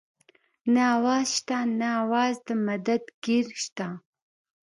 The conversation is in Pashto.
نه اواز شته نه اواز د مدد ګير شته